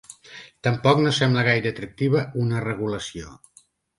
Tampoc no sembla gaire atractiva una regulació.